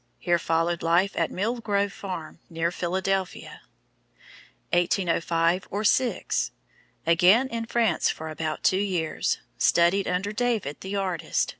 Here followed life at Mill Grove Farm, near Philadelphia. 1805 or 6 Again in France for about two years. Studied under David, the artist.